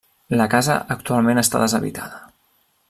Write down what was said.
La casa actualment està deshabitada.